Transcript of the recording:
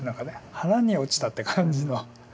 腹に落ちたって感じの。